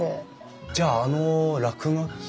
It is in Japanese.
じゃああの落書きは？